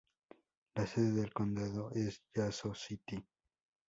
La sede del condado es Yazoo City.